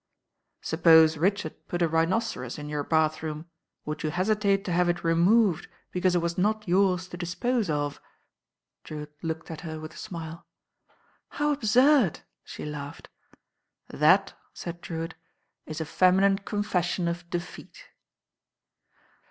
"Suppose Richard put a rhinoceros in your bath room, would you hesitate to have it removed because It was not yours to dispose of?" Drewitt looked at her with a smile. "How absurd," she laughed. "That," said Drewitt, "is a feminine confession of defeat."